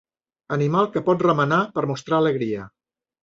Animal que pot remenar per mostrar alegria.